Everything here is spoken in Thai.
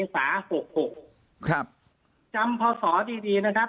นักเก็บเนทหาครับจำทิศอยากสอดีนะครับ